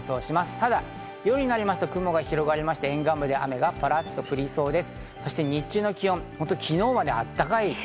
ただ夜になると雲が広がって沿岸部で雨がパラっと降りそうです。